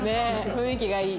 雰囲気がいい。